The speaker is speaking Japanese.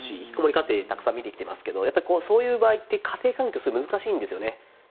家庭をたくさん見てきていますがそういう場合って家庭環境すごく難しいんですよね。